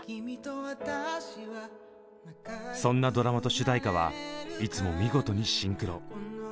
そんなドラマと主題歌はいつも見事にシンクロ。